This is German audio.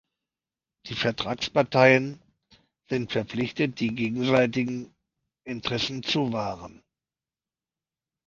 Die Vertragsparteien sind verpflichtet, die gegenseitigen Interessen zu wahren.